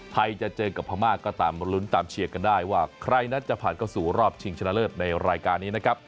จะเจอกับพม่าก็ตามลุ้นตามเชียร์กันได้ว่าใครนั้นจะผ่านเข้าสู่รอบชิงชนะเลิศในรายการนี้นะครับ